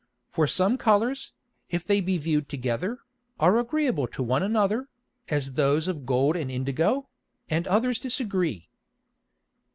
For some Colours, if they be view'd together, are agreeable to one another, as those of Gold and Indigo, and others disagree.